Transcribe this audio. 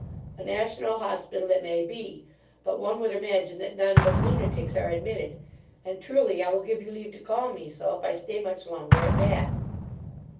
A national hospital it may be, but one would imagine that none but lunatics are admitted; and truly, I will give you leave to call me so, if I stay much longer at Bath.